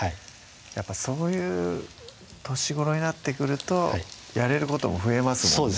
やっぱそういう年頃になってくるとやれることも増えますもんね